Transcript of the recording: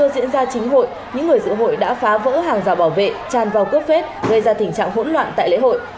bà bảo vệ tràn vào cướp phết gây ra tình trạng hỗn loạn tại lễ hội